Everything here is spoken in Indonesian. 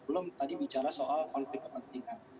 belum tadi bicara soal konflik kepentingan